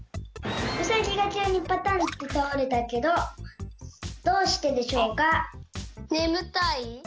ウサギがきゅうにパタンってたおれたけどどうしてでしょうか？